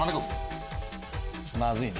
まずいね。